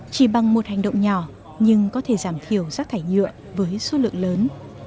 chỉ bằng một hành động nhỏ nhưng có thể giảm thiểu rác thải nhựa với số lượng lớn